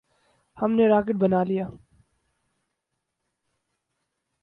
ہم نے راکٹ بنا لیے۔